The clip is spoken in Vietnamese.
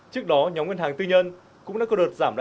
trước đó nhóm ngân hàng tư nhân cũng đã có đợt giảm kỳ hạn